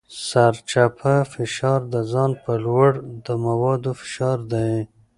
سرچپه فشار د ځان په لور د موادو فشار دی.